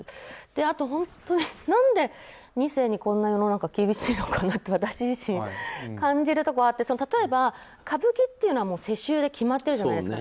あと、何で２世に世の中がこんなに厳しいのかなって私自身感じるところがあって例えば、歌舞伎というのは世襲で決まってるじゃないですか。